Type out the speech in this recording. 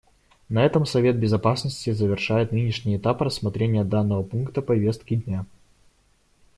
На этом Совет Безопасности завершает нынешний этап рассмотрения данного пункта повестки дня.